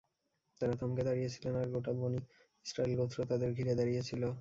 তারা থমকে দাঁড়িয়েছিলেন আর গোটা বনী ইসরাঈল গোত্র তাদের ঘিরে দাঁড়িয়েছিল।